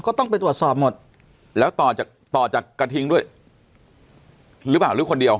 ก็ต้องไปตรวจสอบหมดแล้วต่อจากต่อจากกระทิงด้วยหรือเปล่าหรือคนเดียว